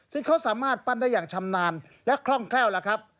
ซึ่งเขาสามารถปั้นได้อย่างชำนาญและคล่องแคล่วล่ะครับ